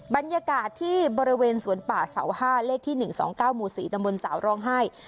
บรรยากาศที่บริเวณสวนป่าเสาห้าเลขที่หนึ่งสองเก้าหมู่สี่ตำบนสาวร่องไห้